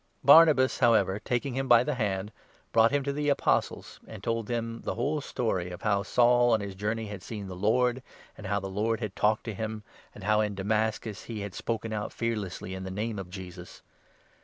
Barnabas, however, taking him by the hand, brought 27 him to the Apostles, and told them the whole story of how Saul on his journey had seen the Lord, and how the Lord had talked to him, and how in Damascus he had spoken out fear lessly in the Name of Jesus.